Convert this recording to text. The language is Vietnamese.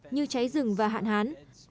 như cháy rừng và hạn hán